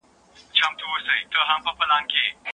د استازو لپاره کمپاین څنګه کیږي؟